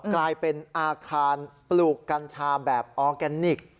กลายเป็นอาคารปลูกกัญชาแบบออร์แกนิค